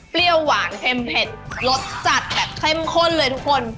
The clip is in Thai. หวานเค็มเผ็ดรสจัดแบบเข้มข้นเลยทุกคน